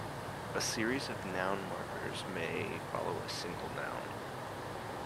A series noun markers may follow a single noun.